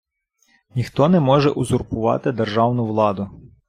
Ніхто не може узурпувати державну владу.